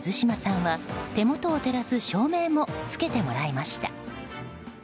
水島さんは手元を照らす照明もつけてもらいました。